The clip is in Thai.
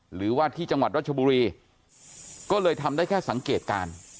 หรือว่าที่จังหวัดรัชบุรีก็เลยทำได้แค่สังเกตการณ์